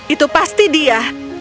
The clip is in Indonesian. itu pasti dia